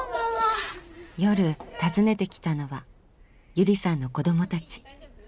夜訪ねてきたのはゆりさんの子どもたち。